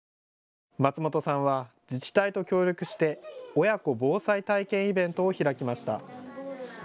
松本さんは自治体と協力して親子防災体験イベントを開きました。